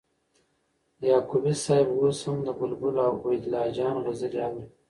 یعقوبی صاحب اوس هم د بلبل عبیدالله جان غزلي اوري